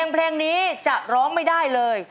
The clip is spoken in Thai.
เพลงนี้จะร้องไม่ได้เลย